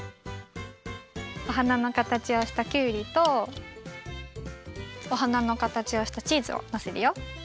おはなのかたちをしたきゅうりとおはなのかたちをしたチーズをのせるよ。